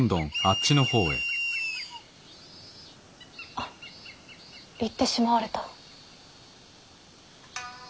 あっ行ってしまわれた。